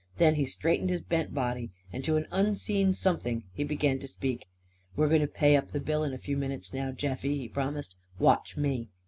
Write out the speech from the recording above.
Then he straightened his bent body. And to an unseen Something he began to speak. "We're going to pay up the bill in a few minutes now, Jeffie!" he promised. "Watch me!"